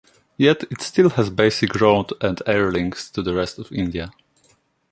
Yet, it still has basic road and air links to the rest of India.